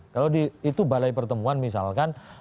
kalau itu balai pertemuan misalkan